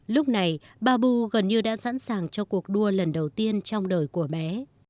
lúc này babu gần như đã sẵn sàng cho cuộc đua lần đầu tiên trong đời của bé